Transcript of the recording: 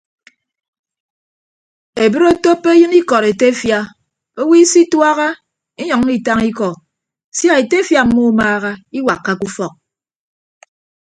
Ebre otoppo eyịn ikọd etefia owo isituaha inyʌññọ itañ ikọ sia etefia mmumaaha iwakkake ufọk.